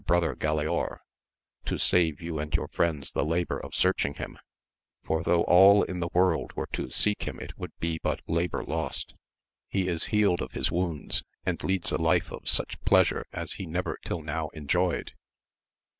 75 brother Galaor to save you and your friends the labour of searching him ; for though all in the world were to seek him it would be but labour lost : he is healed of his wounds, and leads a life of such pleasure as he never till now enjoyed.